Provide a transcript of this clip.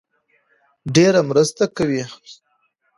ډېره مرسته کوي